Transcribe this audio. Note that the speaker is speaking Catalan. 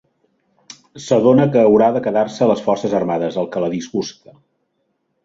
S'adona que haurà de quedar-se a les forces armades, el que la disgusta.